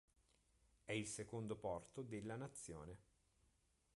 È il secondo porto della nazione.